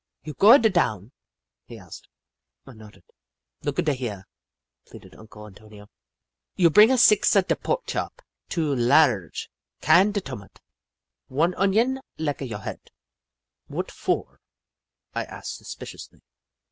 " You goa da town ?" he asked. I nodded. " Looka da here," pleaded Uncle Antonio. " You bringa sixa da pork chop, two lar rge can da tomat, one onion lika your head." " What for ?" I asked, suspiciously.